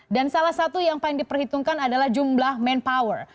dan salah satu yang paling diperhitungkan adalah jumlah manpower